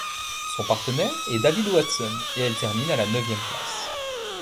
Son partenaire est David Watson et elle termine à la neuvième place.